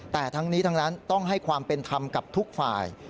แต่ทั้งนี้ทั้งนั้นต้องให้ความเป็นธรรมกับทุกฝ่าย